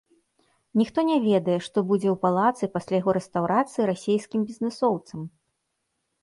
Ніхто не ведае, што будзе ў палацы пасля яго рэстаўрацыі расейскім бізнэсоўцам!